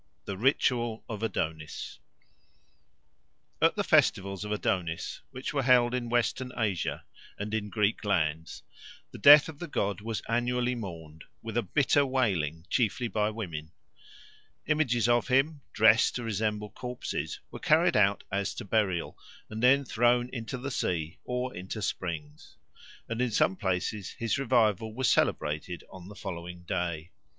The Ritual of Adonis AT THE FESTIVALS of Adonis, which were held in Western Asia and in Greek lands, the death of the god was annually mourned, with a bitter wailing, chiefly by women; images of him, dressed to resemble corpses, were carried out as to burial and then thrown into the sea or into springs; and in some places his revival was celebrated on the following day.